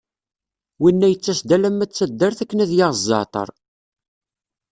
Winna yettas-d alamma d taddart akken ad yaɣ zzeɛter.